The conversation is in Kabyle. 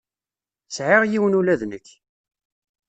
Sεiɣ yiwen ula d nekk.